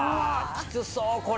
きつそうこれ！